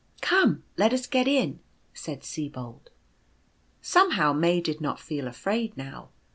" Come, let us get in," said Sibold. Somehow May did not feel afraid now.